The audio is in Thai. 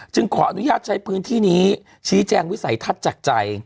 ขออนุญาตใช้พื้นที่นี้ชี้แจงวิสัยทัศน์จากใจ